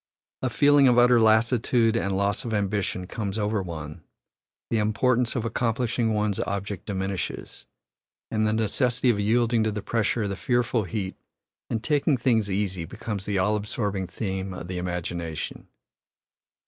A feeling of utter lassitude and loss of ambition comes over one; the importance of accomplishing one's object diminishes, and the necessity of yielding to the pressure of the fearful heat and taking things easy becomes the all absorbing theme of the imagination.